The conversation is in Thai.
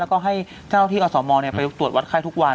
แล้วก็ให้เจ้าที่อสมไปตรวจวัดไข้ทุกวัน